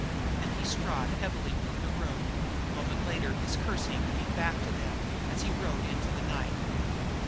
And he strode heavily from the room; a moment later his cursing came back to them as he rode into the night.